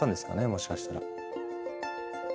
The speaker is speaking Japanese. もしかしたら。